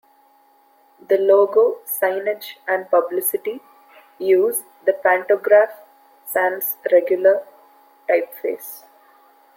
The logo, signage and publicity use the "Pantograph sans regular" typeface.